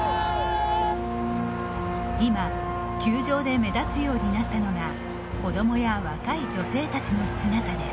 今球場で目立つようになったのが子どもや若い女性たちの姿です。